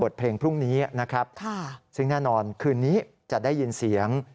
เพลงพรุ่งนี้นะครับซึ่งแน่นอนคืนนี้จะได้ยินเสียง